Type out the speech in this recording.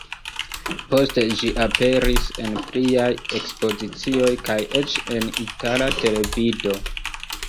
Poste ĝi aperis en pliaj ekspozicioj kaj eĉ en itala televido.